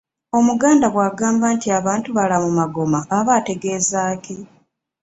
Omuganda bwagamba nti abantu balamu magoma, aba ategeeza ki?